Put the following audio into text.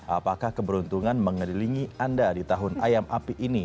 apakah keberuntungan mengelilingi anda di tahun ayam api ini